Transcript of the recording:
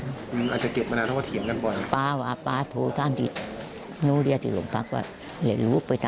ดูคำเป็นพ่อทำเพื่อนยกไปทำความจำเป็นว่า